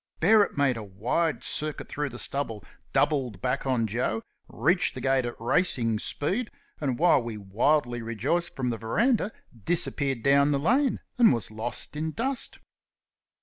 Bearup made a wide circuit through the stubble, doubled back on Joe, reached the gate at racing speed, and while we wildly rejoiced from the verandah, disappeared down the lane and was lost in dust.